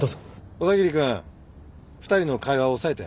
小田切君２人の会話押さえて。